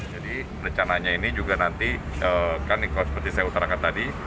jadi rencananya ini juga nanti kan seperti saya utarakan tadi